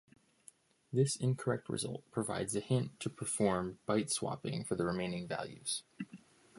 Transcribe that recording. This incorrect result provides a hint to perform byte-swapping for the remaining values.